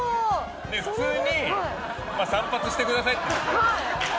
普通に散髪してくださいって。